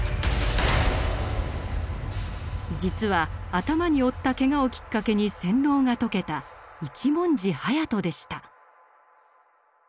実は頭に負ったケガをきっかけに洗脳が解けた一文字隼人でした。